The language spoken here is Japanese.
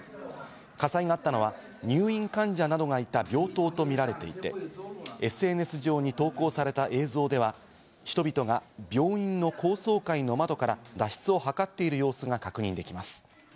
火災があったのは入院患者などがいた病棟とみられていて、ＳＮＳ上に投稿された映像では、人々が病院の高層階の窓から脱出をはかっている様子が確認できます。